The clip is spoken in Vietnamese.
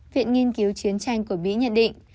viện nghiên cứu chiến tranh của mỹ nhận định